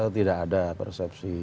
tidak ada persepsi